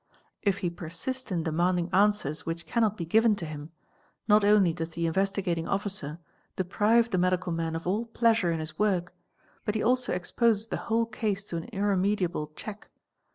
If he persist in = demanding answers which cannot be given to him, not only does the Investigating Officer deprive the medical man of all pleasure in his work but he also exposes the whole case to an irremediable check.